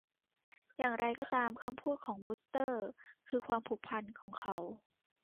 อย่างไรก็ตาม คำพูดของวูสเตอร์คือความผูกพันของเขา